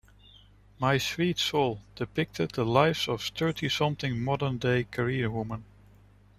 "My Sweet Seoul" depicted the lives of thirty-something modern-day career women.